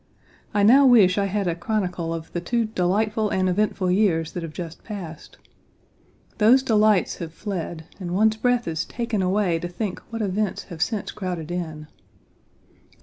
I now wish I had a chronicle of the two delightful and eventful years that have just passed. Those delights have fled and one's breath is taken away to think what events have since crowded in.